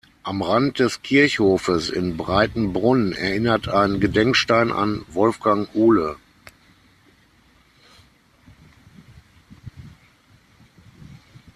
Am Rand des Kirchhofes in Breitenbrunn erinnert ein Gedenkstein an Wolfgang Uhle.